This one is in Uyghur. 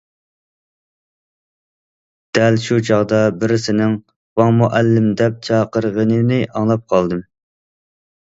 دەل شۇ چاغدا بىرسىنىڭ‹‹ ۋاڭ مۇئەللىم›› دەپ چاقىرغىنىنى ئاڭلاپ قالدىم.